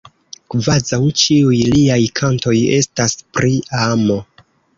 Kvazaŭ ĉiuj liaj kantoj estas pri amo.